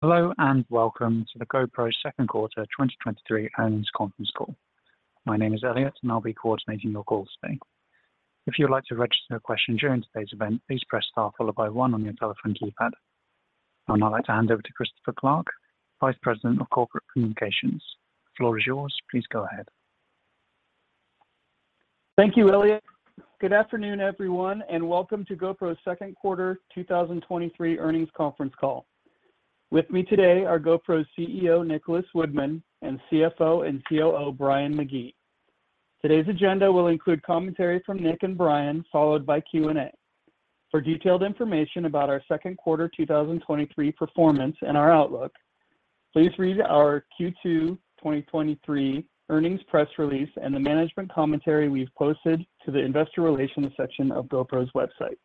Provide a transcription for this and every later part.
Hello, and welcome to the GoPro Second Quarter 2023 Earnings Conference Call. My name is Elliot, and I'll be coordinating your call today. If you'd like to register a question during today's event, please press star followed by one on your telephone keypad. I would now like to hand over to Christopher Clark, Vice President of Corporate Communications. The floor is yours. Please go ahead. Thank you, Elliot. Good afternoon, everyone, and welcome to GoPro's Second Quarter 2023 Earnings Conference Call. With me today are GoPro's CEO, Nicholas Woodman, and CFO and COO, Brian McGee. Today's agenda will include commentary from Nick and Brian, followed by Q&A. For detailed information about our second quarter 2023 performance and our outlook, please read our Q2 2023 earnings press release and the management commentary we've posted to the investor relations section of GoPro's website.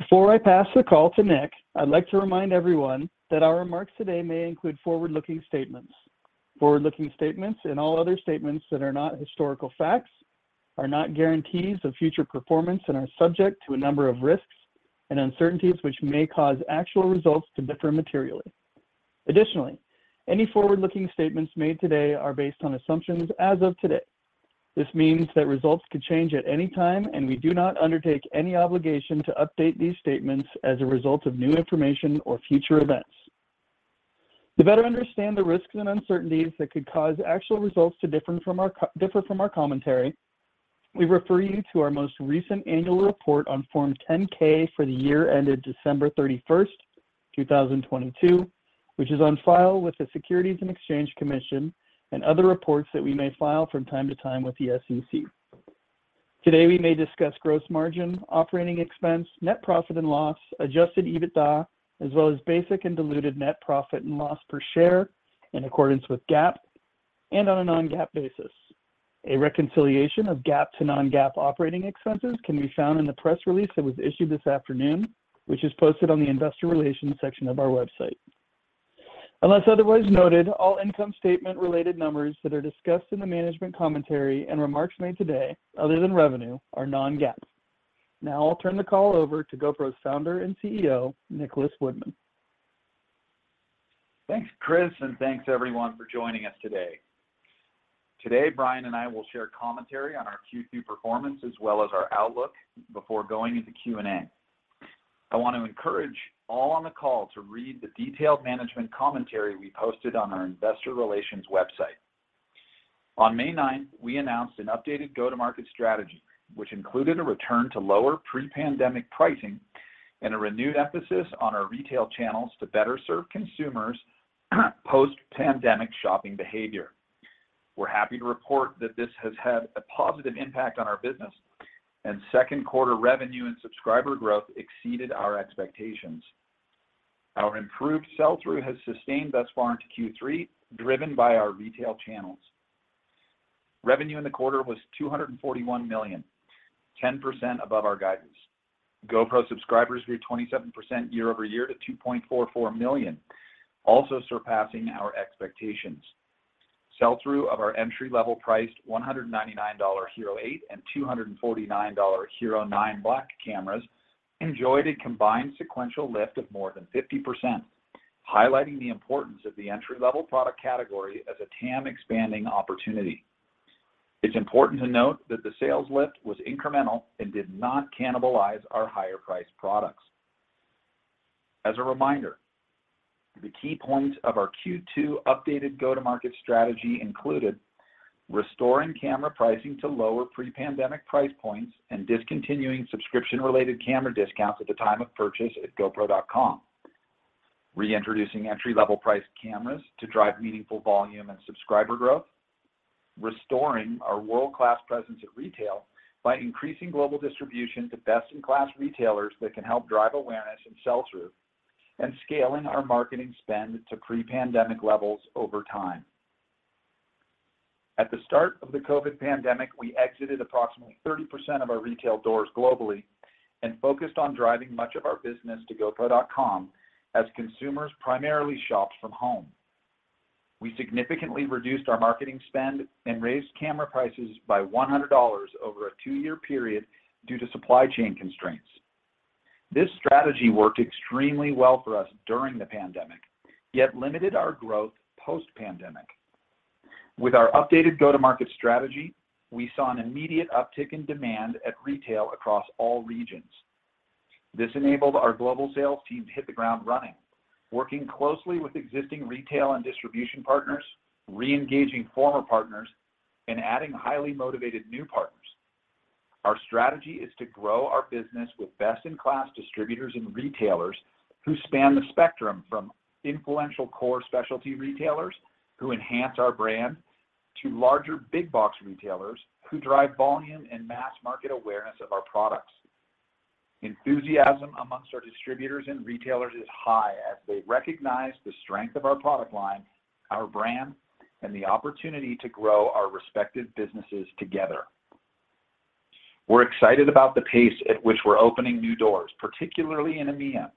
Before I pass the call to Nick, I'd like to remind everyone that our remarks today may include forward-looking statements. Forward-looking statements, and all other statements that are not historical facts, are not guarantees of future performance and are subject to a number of risks and uncertainties, which may cause actual results to differ materially. Additionally, any forward-looking statements made today are based on assumptions as of today. This means that results could change at any time, and we do not undertake any obligation to update these statements as a result of new information or future events. To better understand the risks and uncertainties that could cause actual results to different from our differ from our commentary, we refer you to our most recent annual report on Form 10-K for the year ended December 31st, 2022, which is on file with the Securities and Exchange Commission and other reports that we may file from time to time with the SEC. Today, we may discuss gross margin, operating expense, net profit and loss, Adjusted EBITDA, as well as basic and diluted net profit and loss per share in accordance with GAAP and on a non-GAAP basis. A reconciliation of GAAP to non-GAAP operating expenses can be found in the press release that was issued this afternoon, which is posted on the investor relations section of our website. Unless otherwise noted, all income statement-related numbers that are discussed in the management commentary and remarks made today, other than revenue, are non-GAAP. I'll turn the call over to GoPro's Founder and CEO, Nicholas Woodman. Thanks, Chris. Thanks everyone for joining us today. Today, Brian and I will share commentary on our Q2 performance, as well as our outlook, before going into Q&A. I want to encourage all on the call to read the detailed management commentary we posted on our investor relations website. On May 9th, we announced an updated go-to-market strategy, which included a return to lower pre-pandemic pricing and a renewed emphasis on our retail channels to better serve consumers, post-pandemic shopping behavior. We're happy to report that this has had a positive impact on our business, and second quarter revenue and subscriber growth exceeded our expectations. Our improved sell-through has sustained thus far into Q3, driven by our retail channels. Revenue in the quarter was $241 million, 10% above our guidance. GoPro subscribers grew 27% year-over-year to 2.44 million, also surpassing our expectations. Sell-through of our entry-level priced $199 HERO8 and $249 HERO9 Black cameras enjoyed a combined sequential lift of more than 50%, highlighting the importance of the entry-level product category as a TAM expanding opportunity. It's important to note that the sales lift was incremental and did not cannibalize our higher-priced products. As a reminder, the key points of our Q2 updated go-to-market strategy included: restoring camera pricing to lower pre-pandemic price points and discontinuing subscription-related camera discounts at the time of purchase at gopro.com, reintroducing entry-level price cameras to drive meaningful volume and subscriber growth, restoring our world-class presence at retail by increasing global distribution to best-in-class retailers that can help drive awareness and sell-through, and scaling our marketing spend to pre-pandemic levels over time. At the start of the COVID pandemic, we exited approximately 30% of our retail doors globally and focused on driving much of our business to gopro.com as consumers primarily shopped from home. We significantly reduced our marketing spend and raised camera prices by $100 over a two-year period due to supply chain constraints. This strategy worked extremely well for us during the pandemic, yet limited our growth post-pandemic. With our updated go-to-market strategy, we saw an immediate uptick in demand at retail across all regions. This enabled our global sales teams to hit the ground running, working closely with existing retail and distribution partners, reengaging former partners, and adding highly motivated new partners. Our strategy is to grow our business with best-in-class distributors and retailers who span the spectrum from influential core specialty retailers, who enhance our brand, to larger big box retailers, who drive volume and mass market awareness of our products. Enthusiasm amongst our distributors and retailers is high as they recognize the strength of our product line, our brand, and the opportunity to grow our respective businesses together. We're excited about the pace at which we're opening new doors, particularly in EMEA,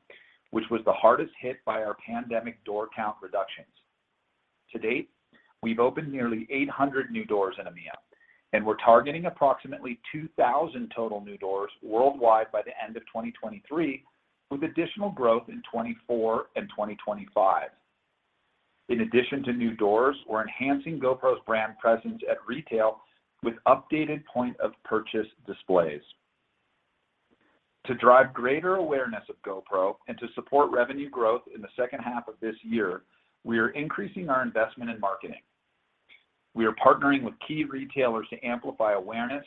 which was the hardest hit by our pandemic door count reductions.... To date, we've opened nearly 800 new doors in EMEA. We're targeting approximately 2,000 total new doors worldwide by the end of 2023, with additional growth in 2024 and 2025. In addition to new doors, we're enhancing GoPro's brand presence at retail with updated point of purchase displays. To drive greater awareness of GoPro and to support revenue growth in the second half of this year, we are increasing our investment in marketing. We are partnering with key retailers to amplify awareness,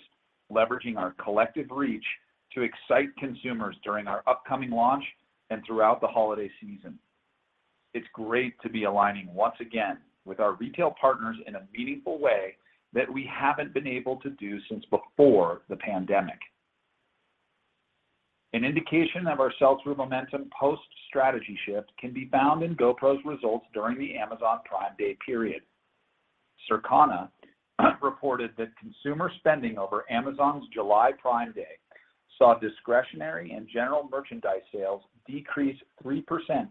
leveraging our collective reach to excite consumers during our upcoming launch and throughout the holiday season. It's great to be aligning once again with our retail partners in a meaningful way that we haven't been able to do since before the pandemic. An indication of our sales through momentum post-strategy shift can be found in GoPro's results during the Amazon Prime Day period. Circana reported that consumer spending over Amazon's July Prime Day saw discretionary and general merchandise sales decrease 3%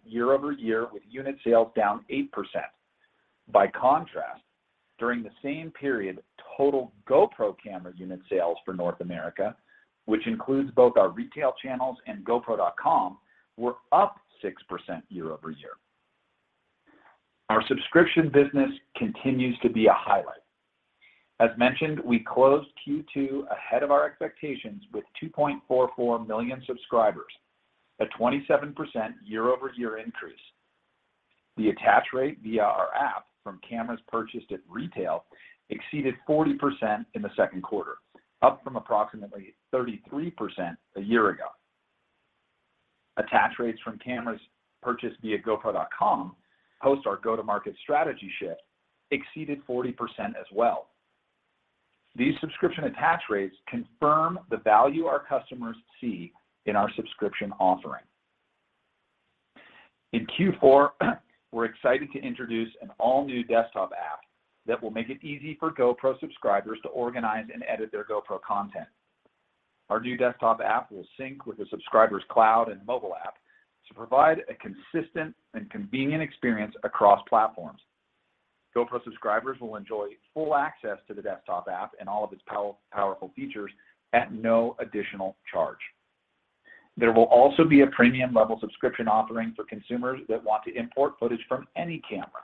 year-over-year, with unit sales down 8%. By contrast, during the same period, total GoPro camera unit sales for North America, which includes both our retail channels and gopro.com, were up 6% year-over-year. Our subscription business continues to be a highlight. As mentioned, we closed Q2 ahead of our expectations with 2.44 million subscribers, a 27% year-over-year increase. The attach rate via our app from cameras purchased at retail exceeded 40% in the second quarter, up from approximately 33% a year ago. Attach rates from cameras purchased via gopro.com, post our go-to-market strategy shift, exceeded 40% as well. These subscription attach rates confirm the value our customers see in our subscription offering. In Q4, we're excited to introduce an all-new desktop app that will make it easy for GoPro subscribers to organize and edit their GoPro content. Our new desktop app will sync with the subscriber's cloud and mobile app to provide a consistent and convenient experience across platforms. GoPro subscribers will enjoy full access to the desktop app and all of its powerful features at no additional charge. There will also be a premium level subscription offering for consumers that want to import footage from any camera,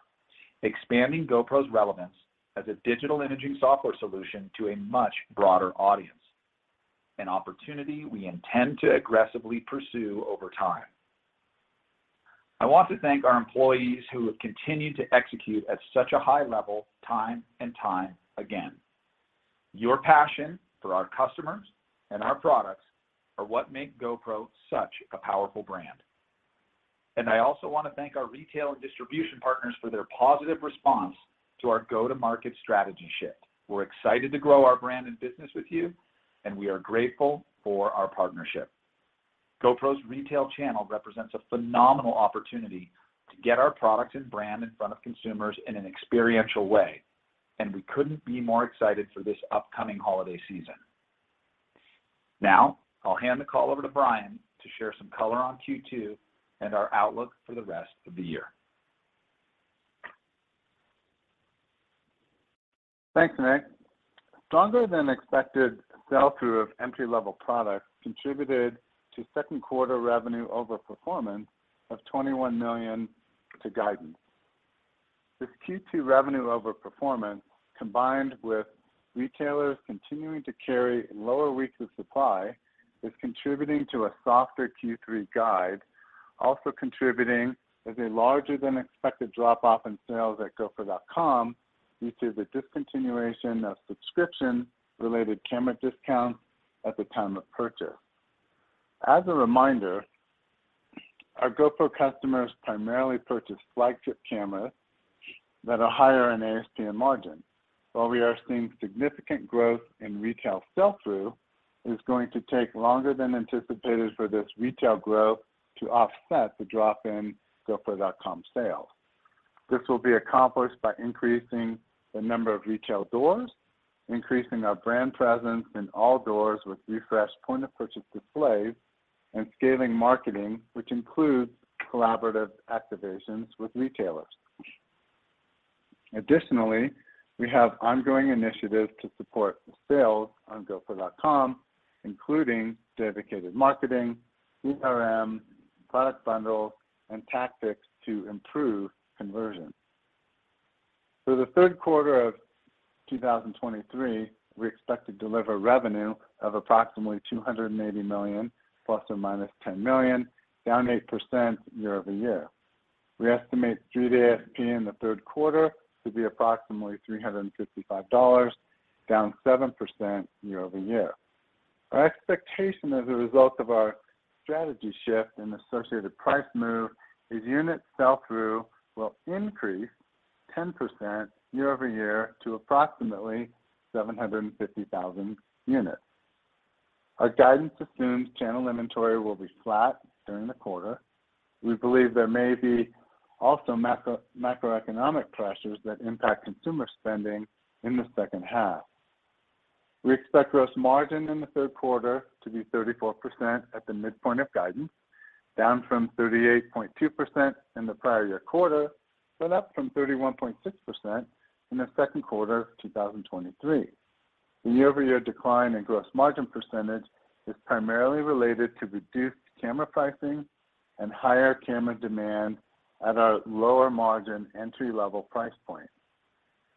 expanding GoPro's relevance as a digital imaging software solution to a much broader audience, an opportunity we intend to aggressively pursue over time. I want to thank our employees who have continued to execute at such a high level, time and time again. Your passion for our customers and our products are what make GoPro such a powerful brand. I also want to thank our retail and distribution partners for their positive response to our go-to-market strategy shift. We're excited to grow our brand and business with you, and we are grateful for our partnership. GoPro's retail channel represents a phenomenal opportunity to get our product and brand in front of consumers in an experiential way, and we couldn't be more excited for this upcoming holiday season. Now, I'll hand the call over to Brian to share some color on Q2 and our outlook for the rest of the year. Thanks, Nick. Stronger than expected sell-through of entry-level products contributed to second quarter revenue over performance of $21 million to guidance. This Q2 revenue over performance, combined with retailers continuing to carry lower weeks of supply, is contributing to a softer Q3 guide, also contributing as a larger than expected drop-off in sales at gopro.com due to the discontinuation of subscription-related camera discounts at the time of purchase. As a reminder, our GoPro customers primarily purchase flagship cameras that are higher in ASP and margin. While we are seeing significant growth in retail sell-through, it is going to take longer than anticipated for this retail growth to offset the drop in gopro.com sales. This will be accomplished by increasing the number of retail doors, increasing our brand presence in all doors with refreshed point-of-purchase displays, and scaling marketing, which includes collaborative activations with retailers. Additionally, we have ongoing initiatives to support sales on gopro.com, including dedicated marketing, CRM, product bundles, and tactics to improve conversion. For the third quarter of 2023, we expect to deliver revenue of approximately $280 million, ±$10 million, down 8% year-over-year. We estimate Street ASP in the third quarter to be approximately $355, down 7% year-over-year. Our expectation as a result of our strategy shift and associated price move is unit sell-through will increase 10% year-over-year to approximately 750,000 units. Our guidance assumes channel inventory will be flat during the quarter. We believe there may be also macro, macroeconomic pressures that impact consumer spending in the second half.... We expect gross margin in the third quarter to be 34% at the midpoint of guidance, down from 38.2% in the prior year quarter, but up from 31.6% in the second quarter of 2023. The year-over-year decline in gross margin percentage is primarily related to reduced camera pricing and higher camera demand at our lower margin entry-level price point.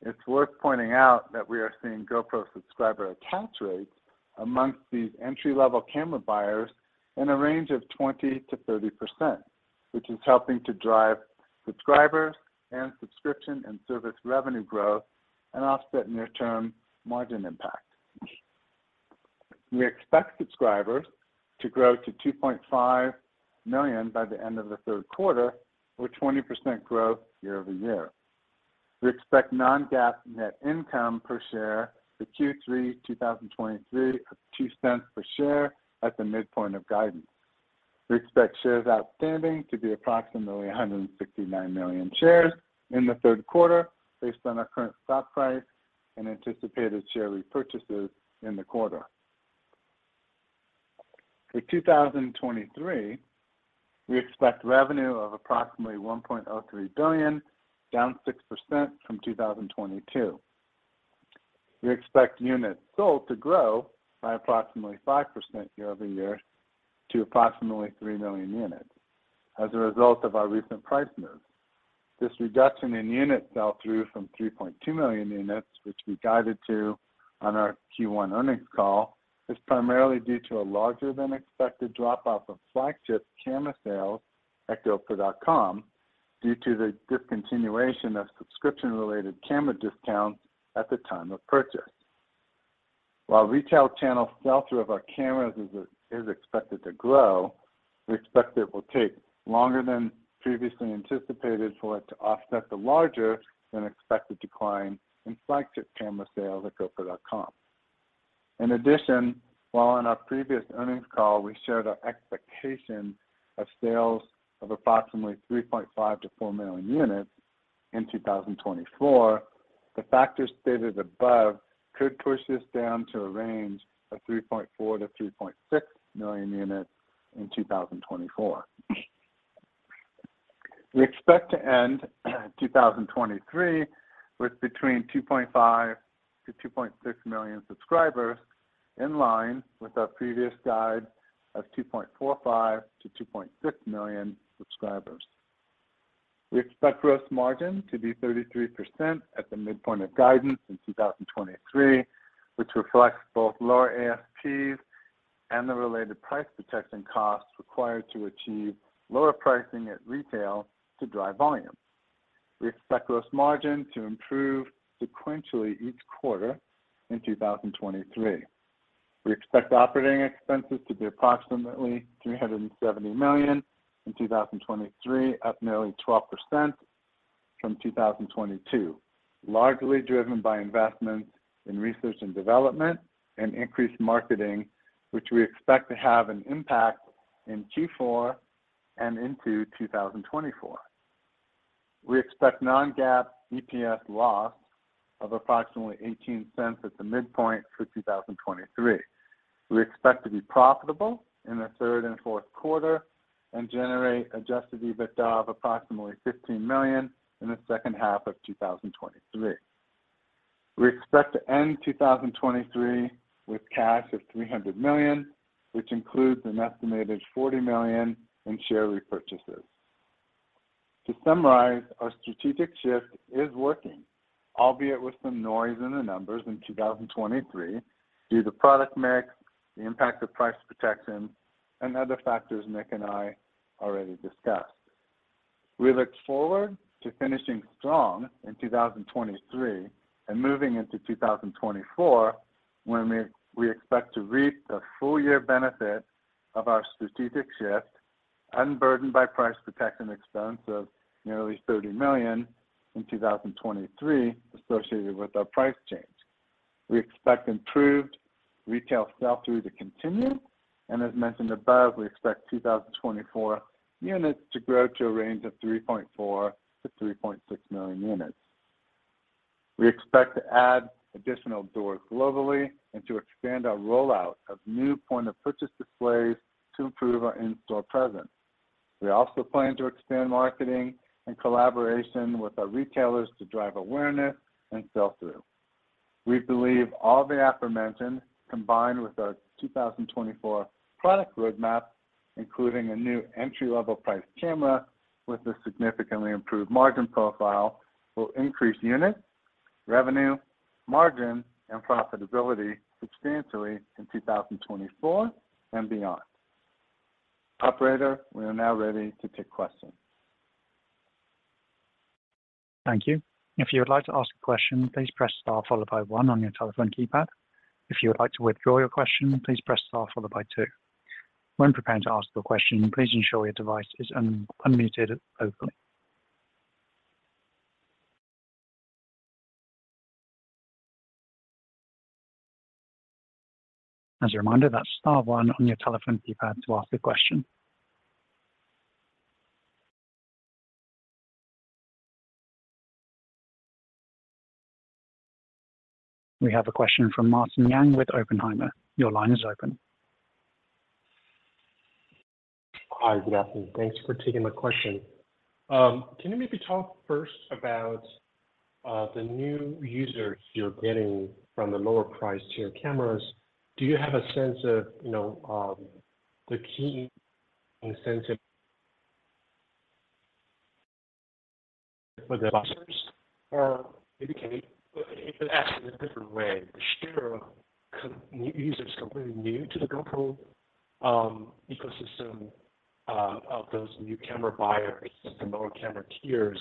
It's worth pointing out that we are seeing GoPro subscriber account rates amongst these entry-level camera buyers in a range of 20%-30%, which is helping to drive subscribers and subscription and service revenue growth and offset near-term margin impact. We expect subscribers to grow to 2.5 million by the end of the third quarter, or 20% growth year-over-year. We expect non-GAAP net income per share for Q3 2023 of $0.02 per share at the midpoint of guidance. We expect shares outstanding to be approximately 169 million shares in the third quarter, based on our current stock price and anticipated share repurchases in the quarter. For 2023, we expect revenue of approximately $1.03 billion, down 6% from 2022. We expect units sold to grow by approximately 5% year-over-year to approximately three million units as a result of our recent price move. This reduction in unit sell-through from 3.2 million units, which we guided to on our Q1 earnings call, is primarily due to a larger than expected drop-off of flagship camera sales at gopro.com due to the discontinuation of subscription-related camera discounts at the time of purchase. While retail channel sell-through of our cameras is expected to grow, we expect it will take longer than previously anticipated for it to offset the larger than expected decline in flagship camera sales at gopro.com. In addition, while on our previous earnings call, we shared our expectation of sales of approximately 3.5 million to four million units in 2024, the factors stated above could push this down to a range of 3.4 million-3.6 million units in 2024. We expect to end 2023 with between 2.5 million-2.6 million subscribers, in line with our previous guide of 2.45 million-2.6 million subscribers. We expect gross margin to be 33% at the midpoint of guidance in 2023, which reflects both lower ASPs and the related price protection costs required to achieve lower pricing at retail to drive volume. We expect gross margin to improve sequentially each quarter in 2023. We expect operating expenses to be approximately $370 million in 2023, up nearly 12% from 2022, largely driven by investments in research and development and increased marketing, which we expect to have an impact in Q4 and into 2024. We expect non-GAAP EPS loss of approximately $0.18 at the midpoint for 2023. We expect to be profitable in the third and fourth quarter and generate Adjusted EBITDA of approximately $15 million in the second half of 2023. We expect to end 2023 with cash of $300 million, which includes an estimated $40 million in share repurchases. To summarize, our strategic shift is working, albeit with some noise in the numbers in 2023, due to product mix, the impact of price protection, and other factors Nick and I already discussed. We look forward to finishing strong in 2023 and moving into 2024, when we, we expect to reap the full year benefit of our strategic shift, unburdened by price protection expense of nearly $30 million in 2023 associated with our price change. We expect improved retail sell-through to continue, and as mentioned above, we expect 2024 units to grow to a range of 3.4 million-3.6 million units. We expect to add additional doors globally and to expand our rollout of new point-of-purchase displays to improve our in-store presence. We also plan to expand marketing and collaboration with our retailers to drive awareness and sell-through. We believe all the aforementioned, combined with our 2024 product roadmap, including a new entry-level price camera with a significantly improved margin profile, will increase units, revenue, margin, and profitability substantially in 2024 and beyond. Operator, we are now ready to take questions. Thank you. If you would like to ask a question, please press star followed by one on your telephone keypad. If you would like to withdraw your question, please press star followed by two. When preparing to ask a question, please ensure your device is unmuted openly. As a reminder, that's star one on your telephone keypad to ask a question. We have a question from Martin Yang with Oppenheimer. Your line is open. Hi, good afternoon. Thanks for taking my question. Can you maybe talk first about the new users you're getting from the lower price tier cameras? Do you have a sense of, you know, the key incentive for the buyers? Or maybe, can you if I ask in a different way, the share of new users completely new to the GoPro ecosystem of those new camera buyers at the lower camera tiers,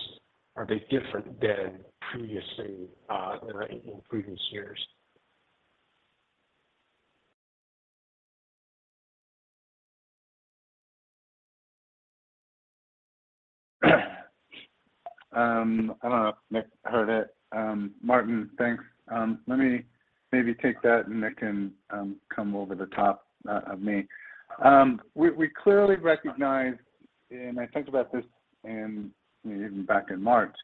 are they different than previously than in previous years? I don't know if Nick heard it. Martin, thanks. Let me maybe take that, and Nick can come over the top of me. We, we clearly recognize, and I think about this in, even back in March,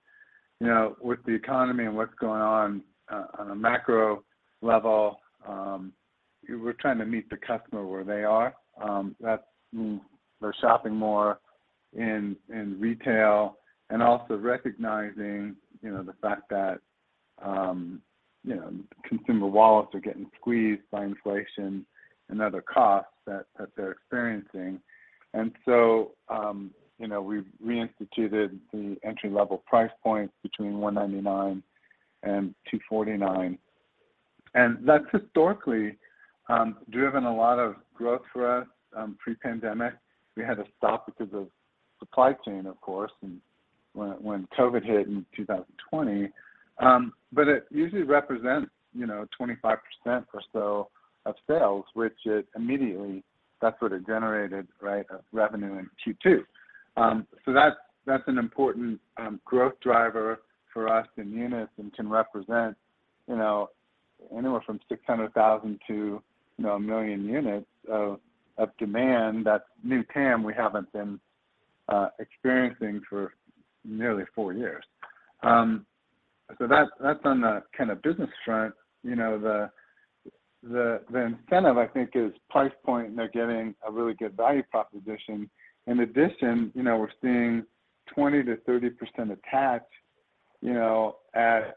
you know, with the economy and what's going on on a macro level, we're trying to meet the customer where they are. That's They're shopping more in, in retail and also recognizing, you know, the fact that, you know, consumer wallets are getting squeezed by inflation and other costs that, that they're experiencing. You know, we've reinstituted the entry-level price points between $199 and $249, and that's historically driven a lot of growth for us. Pre-pandemic, we had to stop because of supply chain, of course, and when COVID hit in 2020. It usually represents, you know, 25% or so of sales, which it immediately, that's what it generated, right, of revenue in Q2. That's, that's an important growth driver for us in units and can represent, you know, anywhere from 600,000 to, you know, one million units of demand. That's new TAM we haven't been experiencing for nearly four years. That's, that's on the kind of business front. You know, the, the, the incentive, I think, is price point, and they're getting a really good value proposition. In addition, you know, we're seeing 20%-30% attach, you know, at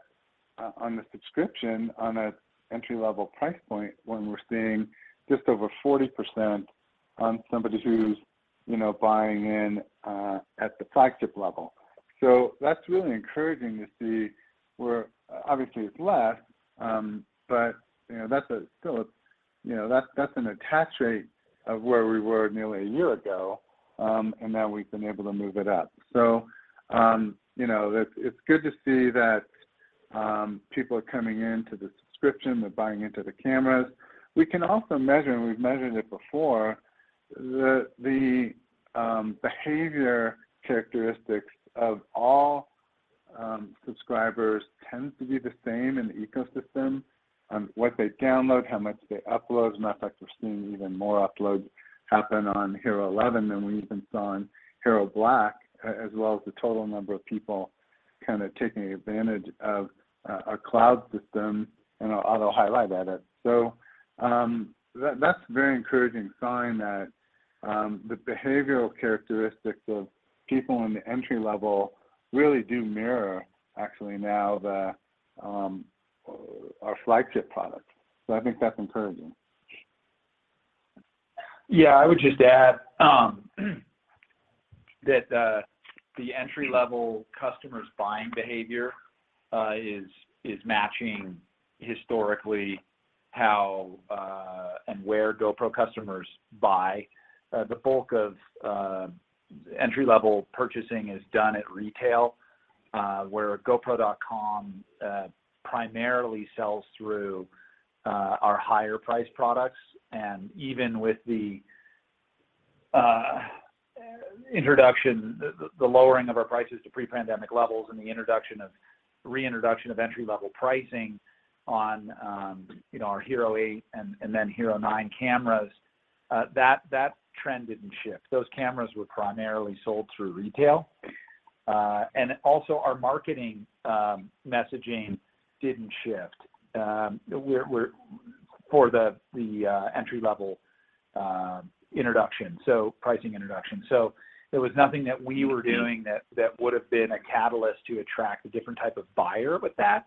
on the subscription on a entry-level price point, when we're seeing just over 40% on somebody who's, you know, buying in at the flagship level. That's really encouraging to see where obviously it's less, but, you know, that's a still a. You know, that's, that's an attach rate of where we were nearly a year ago, and now we've been able to move it up. It's good to see that people are coming into the subscription, they're buying into the cameras. We can also measure, and we've measured it before, the, the behavior characteristics of all subscribers tends to be the same in the ecosystem, what they download, how much they upload. Matter of fact, we're seeing even more uploads happen on HERO11 than we even saw on HERO Black, as well as the total number of people kind of taking advantage of our cloud system and our auto highlight edit. That's a very encouraging sign that the behavioral characteristics of people in the entry level really do mirror actually now the our flagship product. I think that's encouraging. Yeah, I would just add that the entry-level customers' buying behavior is matching historically how and where GoPro customers buy. The bulk of entry-level purchasing is done at retail, where gopro.com primarily sells through our higher priced products, and even with the introduction, the lowering of our prices to pre-pandemic levels and the introduction of reintroduction of entry-level pricing on, you know, our HERO8 and then HERO9 cameras, that trend didn't shift. Those cameras were primarily sold through retail. Also our marketing messaging didn't shift. We're for the entry-level introduction, so pricing introduction. There was nothing that we were doing that, that would have been a catalyst to attract a different type of buyer. That,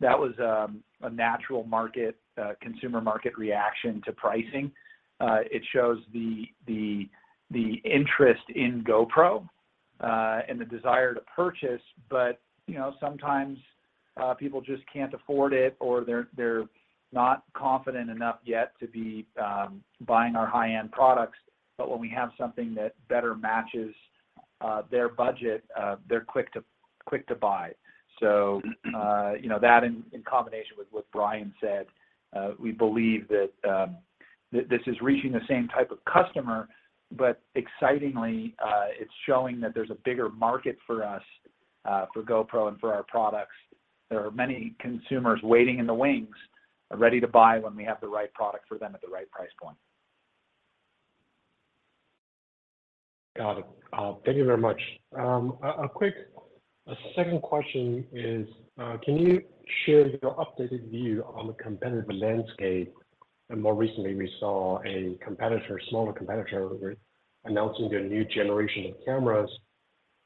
that was a natural market, consumer market reaction to pricing. It shows the, the, the interest in GoPro, and the desire to purchase, but, you know, sometimes, people just can't afford it, or they're, they're not confident enough yet to be buying our high-end products. When we have something that better matches, their budget, they're quick to, quick to buy. You know, that in, in combination with what Brian said, we believe that this is reaching the same type of customer, but excitingly, it's showing that there's a bigger market for us, for GoPro and for our products. There are many consumers waiting in the wings, ready to buy when we have the right product for them at the right price point.... Got it. Thank you very much. A quick, a second question is, can you share your updated view on the competitive landscape? More recently, we saw a competitor, smaller competitor, announcing their new generation of cameras.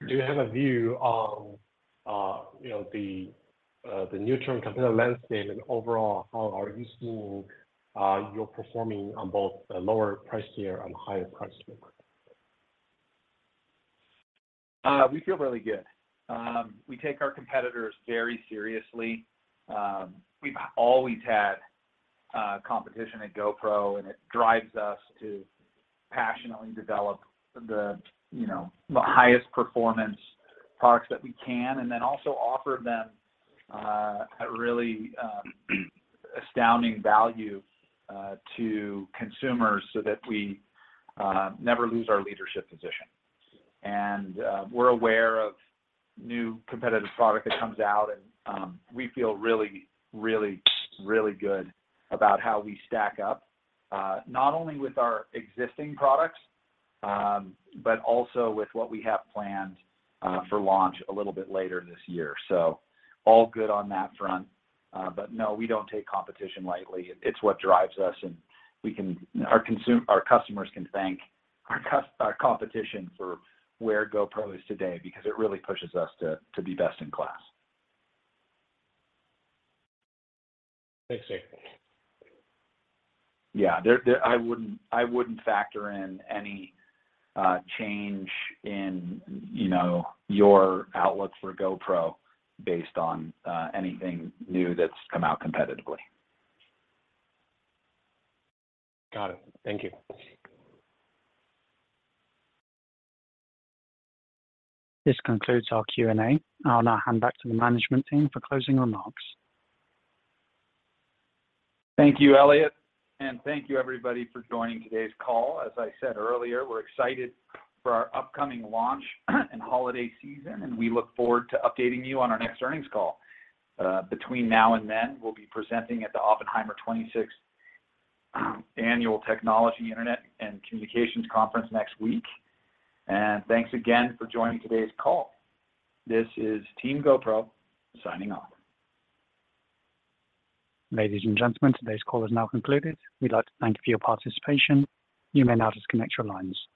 Do you have a view on, you know, the, the near-term competitive landscape, and overall, how are you seeing, your performing on both the lower price tier and the higher price point? We feel really good. We take our competitors very seriously. We've always had competition at GoPro, and it drives us to passionately develop the, you know, the highest performance products that we can, and then also offer them at really astounding value to consumers so that we never lose our leadership position. We're aware of new competitive product that comes out, and we feel really, really, really good about how we stack up, not only with our existing products, but also with what we have planned for launch a little bit later this year. All good on that front. No, we don't take competition lightly. It's what drives us, and we can... Our our customers can thank our our competition for where GoPro is today, because it really pushes us to be best in class. Thanks, Nick. Yeah. There, there, I wouldn't, I wouldn't factor in any change in, you know, your outlook for GoPro based on anything new that's come out competitively. Got it. Thank you. This concludes our Q&A. I'll now hand back to the management team for closing remarks. Thank you, Elliot, and thank you everybody for joining today's call. As I said earlier, we're excited for our upcoming launch and holiday season, and we look forward to updating you on our next earnings call. Between now and then, we'll be presenting at the Oppenheimer 26th Annual Technology, Internet & Communications Conference next week. Thanks again for joining today's call. This is Team GoPro signing off. Ladies and gentlemen, today's call is now concluded. We'd like to thank you for your participation. You may now disconnect your lines.